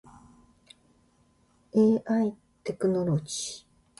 AI technology.